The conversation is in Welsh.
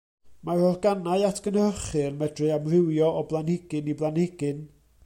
Mae'r organau atgynhyrchu yn medru amrywio o blanhigyn i blanhigyn.